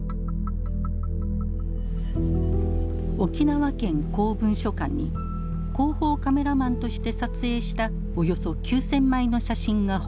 沖縄県公文書館に広報カメラマンとして撮影したおよそ９，０００枚の写真が保管されています。